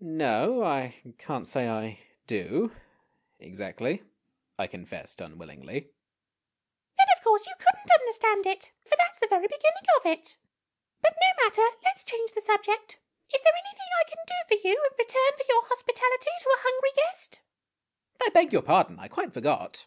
5 "No, I can't say I do exactly," I confessed unwillingly. "Then of course you could n't understand it for that 's the very beginning of it! But no matter. Let 's change the subject. Is there anything I can do for you in return for your hospitality to a hungry guest ?'" I beg your pardon ! I quite forgot."